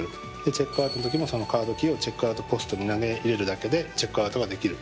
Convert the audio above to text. チェックアウトのときもそのカードキーをチェックアウトポストに投げ入れるだけでチェックアウトができる。